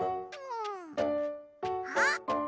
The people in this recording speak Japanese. うん。あっ！